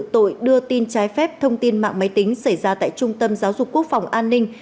tội đưa tin trái phép thông tin mạng máy tính xảy ra tại trung tâm giáo dục quốc phòng an ninh